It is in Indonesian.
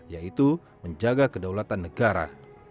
yaitu menjaga kedaulatan negara